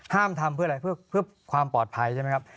ห้ามทำเพื่ออะไรเพื่อความปลอดภัยใช่ไหมครับ